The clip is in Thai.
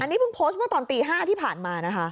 นี่เพิ่งโพสต์เมื่อตอนตี๕ที่ผ่านมานะคะ